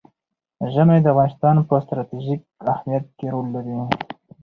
ژمی د افغانستان په ستراتیژیک اهمیت کې رول لري.